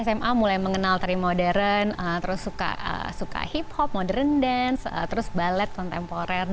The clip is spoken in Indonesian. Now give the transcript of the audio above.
sma mulai mengenal tari modern terus suka hip hop modern dance terus ballet kontemporer